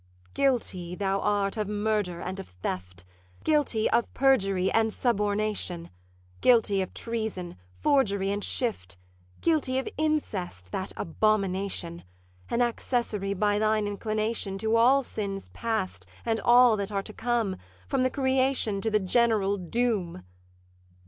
'Guilty thou art of murder and of theft, Guilty of perjury and subornation, Guilty of treason, forgery, and shift, Guilty of incest, that abomination; An accessory by thine inclination To all sins past, and all that are to come, From the creation to the general doom.